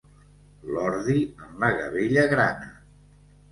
L'ordi en la gavella grana.